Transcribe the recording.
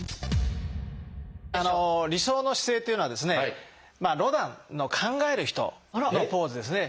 理想の姿勢というのはですねロダンの「考える人」のポーズですね。